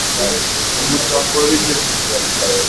mu muryango wa benyamini